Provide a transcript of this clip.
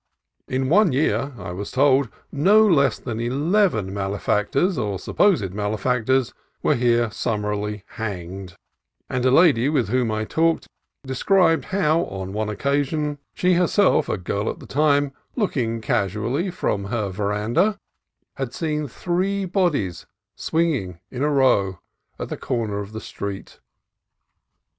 In one year, I was told, no less than eleven malefactors, or supposed male factors, were here summarily hanged; and a lady with whom I talked described how, on one occasion, 156 CALIFORNIA COAST TRAILS she herself, a girl at the time, looking casually from her veranda, had seen three bodies swinging in a row at the corner of the street.